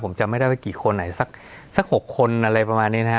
ผมจำไม่ได้ว่ากี่คนไหนสัก๖คนอะไรประมาณนี้นะฮะ